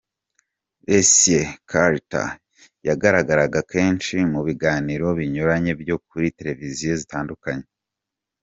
Leslie Carter yagaragaraga kenshi mu biganiro binyuranye byo kuri Televiziyo zitandukanye.